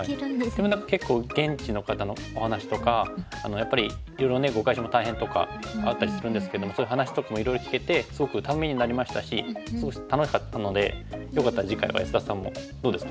でも何か結構現地の方のお話とかやっぱりいろいろね碁会所も大変とかあったりするんですけどもそういう話とかもいろいろ聞けてすごくためになりましたしすごく楽しかったのでよかったら次回は安田さんもどうですか？